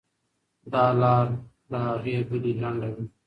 دا لار له هغې بلې لنډه ده.